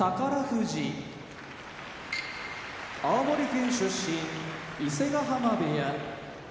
富士青森県出身伊勢ヶ濱部屋